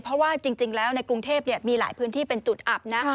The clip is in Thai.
เพราะว่าจริงแล้วในกรุงเทพมีหลายพื้นที่เป็นจุดอับนะ